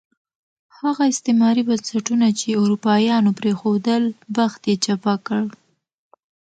هغه استعماري بنسټونه چې اروپایانو پرېښودل، بخت یې چپه کړ.